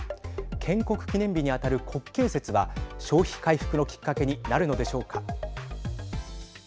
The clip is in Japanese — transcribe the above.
建国記念日に当たる国慶節は消費回復のきっかけになるのでしょうか。